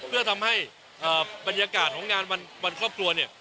เพื่อทำให้บรรยากาศของงานวันครอบครัวเนี่ย